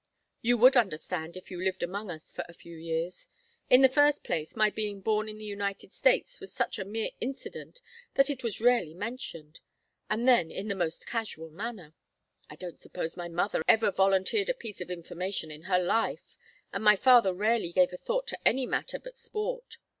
"You would understand if you lived among us for a few years. In the first place my being born in the United States was such a mere incident that it was rarely mentioned, and then in the most casual manner. I don't suppose my mother ever volunteered a piece of information in her life, and my father rarely gave a thought to any matter but sport.